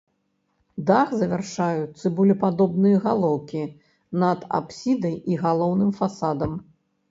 Дах завяршаюць цыбулепадобныя галоўкі над апсідай і галоўным фасадам.